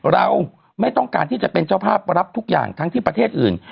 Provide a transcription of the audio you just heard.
เราไม่ต้องการที่จะเป็นเจ้าภาพรับทุกอย่างทั้งที่ประเทศอื่น